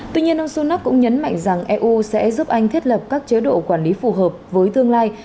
tuy nhiên ông sunak cũng nhấn mạnh rằng eu sẽ giúp anh thiết lập các chế độ quản lý phù hợp với tương lai